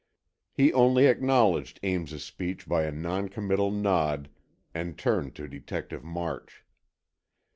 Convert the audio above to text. He only acknowledged Ames's speech by a noncommittal nod and turned to Detective March.